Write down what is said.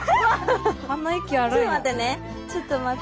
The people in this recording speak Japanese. ちょっと待ってねちょっと待って。